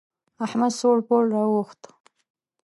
احمد سوړ پوړ را واوښت.